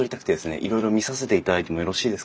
いろいろ見させていただいてもよろしいですかね？